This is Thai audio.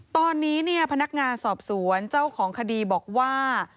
ตอนนี้เนี่ยพนักงานสอบสวนเจ้าของคดีบอกว่า